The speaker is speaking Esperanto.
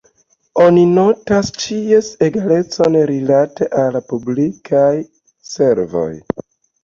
Oni notas ĉies egalecon rilate al la publikaj servoj.